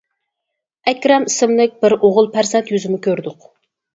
ئەكرەم ئىسىملىك بىر ئوغۇل پەرزەنت يۈزىمۇ كۆردۇق.